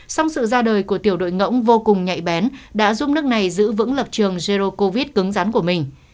song sự ra đời của tiểu đội ngỗng vô cùng nhạy bén đã giúp nước này giữ vững lập trường jero covid cứng rắn của mình